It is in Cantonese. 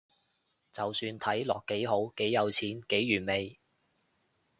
就算睇落幾好，幾有錢，幾完美